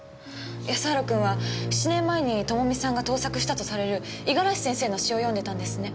安原君は７年前に朋美さんが盗作したとされる五十嵐先生の詩を詠んでたんですね。